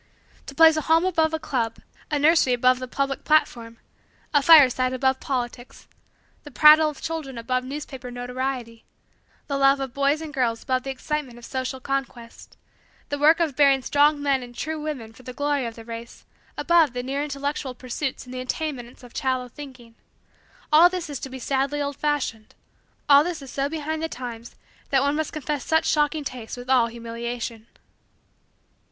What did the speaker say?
To place a home above a club; a nursery above the public platform; a fireside above politics; the prattle of children above newspaper notoriety; the love of boys and girls above the excitement of social conquest; the work of bearing strong men and true women for the glory of the race above the near intellectual pursuits and the attainments of a shallow thinking; all this is to be sadly old fashioned. All this is so behind the times that one must confess such shocking taste with all humiliation.